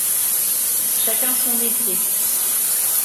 Chacun son métier.